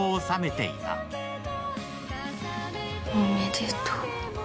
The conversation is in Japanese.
おめでとう。